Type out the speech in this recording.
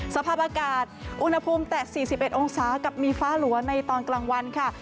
สภาพอากาศอุณหภูมิแต่๔๑องศากับมีฟ้าหลัวในตอนกลางวันค่ะ